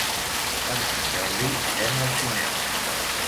Per Sant Jordi irem al cinema.